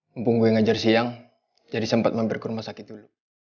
mumpung gue ngajar siang jadi sempat mampir ke rumah sakit dulu